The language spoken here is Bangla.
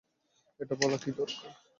এটা বলা কি দরকার?